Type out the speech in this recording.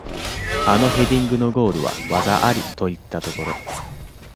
あのヘディングのゴールは技ありといったところ